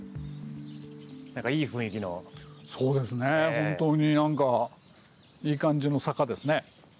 本当に何かいい感じの坂ですね。